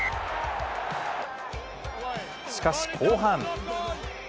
しかし後半。